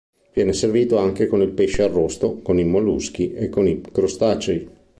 Viene servito anche con il pesce arrosto, con i molluschi e con i crostacei.